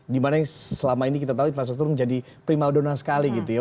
dimana yang selama ini kita tahu infrastruktur menjadi primadona sekali gitu ya